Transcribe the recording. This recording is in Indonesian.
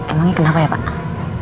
emangnya kenapa ya pak